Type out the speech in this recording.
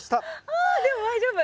ああでも大丈夫。